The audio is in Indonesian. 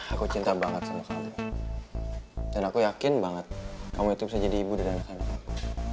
aku cinta banget sama sama dan aku yakin banget kamu itu bisa jadi ibu dari anak anak